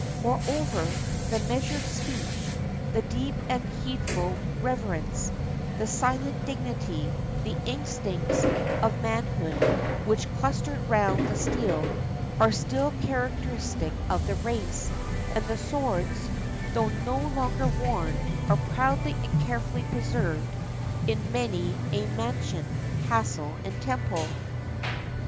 Moreover, the measured speech, the deep and heedful reverence, the silent dignity, the instincts of 386 THE SWORD OF JAPAN manhood which clustered round the steel, are still char acteristic of the race; and the swords, though no longer worn, are proudly and carefully preserved in many a mansion, castle, and temple.